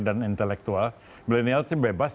dan intelektual milenial sih bebas